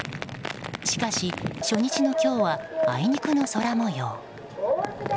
しかし、初日の今日はあいにくの空模様。